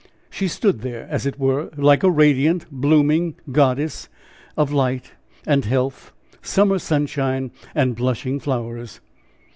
She stood there, as I said, like a radiant, blooming goddess of life and health, summer sunshine and blushing flowers.